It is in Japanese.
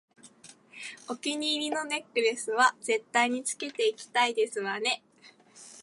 お気に入りのネックレスは絶対につけていきたいですわね